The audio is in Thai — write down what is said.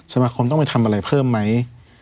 สมาคมต้องไปทำอะไรเพิ่มไหม